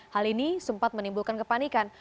hal ini sempat menimbulkan kepanikan